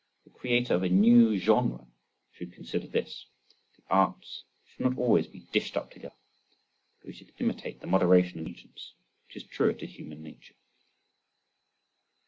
The creator of a new genre should consider this! The arts should not always be dished up together,—but we should imitate the moderation of the ancients which is truer to human nature.